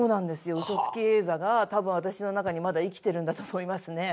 ウソつきえいざが多分私の中にまだ生きてるんだと思いますね。